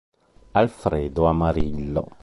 Alfredo Amarillo